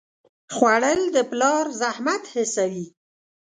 خوړل د پلار زحمت حسوي